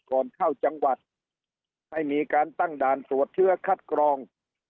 ก่อนเข้าจังหวัดให้มีการตั้งด่านตรวจเชื้อคัดกรอง